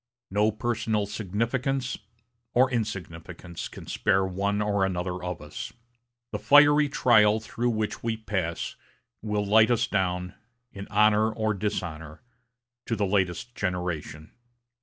No personal significance, or insignificance, can spare one or another of us. The fiery trial through which we pass will light us down, in honor or dishonor, to the latest generation.